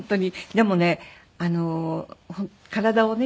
でもね体をね